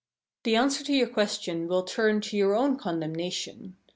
The answer to your question will turn to your own condemnation.